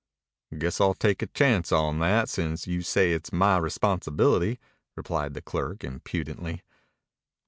"Guess I'll take a chance on that, since you say it's my responsibility," replied the clerk impudently.